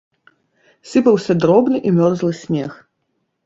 Сыпаўся дробны і мёрзлы снег.